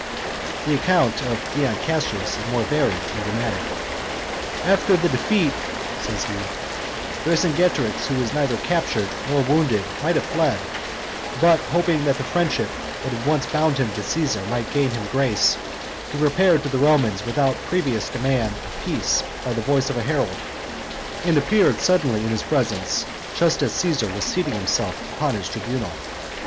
[Illustration: Vercingetorix surrenders to Caesar 81] The account of Dion Cassius is more varied and dramatic. "After the defeat," says he, "Vercingetorix, who was neither captured nor wounded, might have fled; but, hoping that the friendship that had once bound him to Caesar might gain him grace, he repaired to the Roman without previous demand of peace by the voice of a herald, and appeared suddenly in his presence, just as Caesar was seating himself upon his tribunal.